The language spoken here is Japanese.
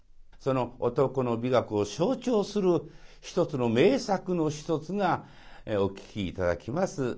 その男の美学を象徴する一つの名作の一つがお聴き頂きます